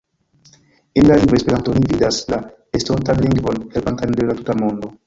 En la lingvo « Esperanto » ni vidas la estontan lingvon helpantan de la tuta mondo.